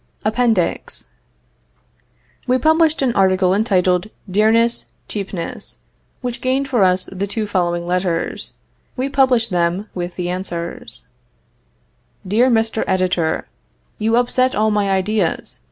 APPENDIX. We published an article entitled Dearness Cheapness, which gained for us the two following letters. We publish them, with the answers: "DEAR MR. EDITOR: You upset all my ideas.